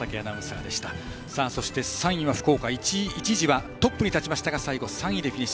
そして３位、福岡一時、トップに立って最後３位でフィニッシュ。